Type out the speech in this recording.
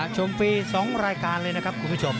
ฟรี๒รายการเลยนะครับคุณผู้ชม